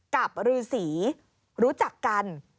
กับรือศรีรู้จักกัน